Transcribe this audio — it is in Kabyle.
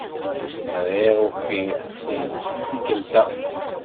Ẓriɣ ufiɣ-tt-id tikkelt-a.